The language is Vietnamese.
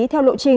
theo lội chứng